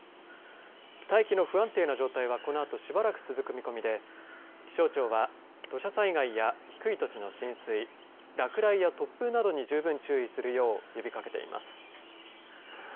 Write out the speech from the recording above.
大気の不安定な状態はこのあとしばらく続く見込みで気象庁は土砂災害や低い土地の浸水落雷や突風などに十分注意するよう呼びかけています。